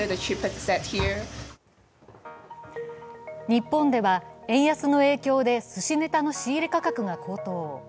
日本では円安の影響ですしネタの仕入れ価格が高騰。